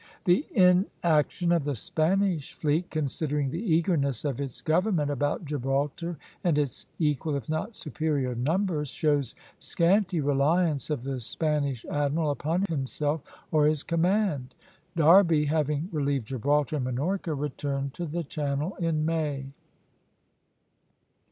The inaction of the Spanish fleet, considering the eagerness of its government about Gibraltar and its equal if not superior numbers, shows scanty reliance of the Spanish admiral upon himself or his command. Derby, having relieved Gibraltar and Minorca, returned to the Channel in May.